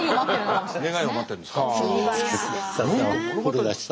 願いを待ってるんですか。